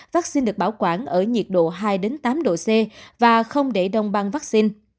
vaccine được bảo quản ở nhiệt độ hai tám độ c và không để đông băng vaccine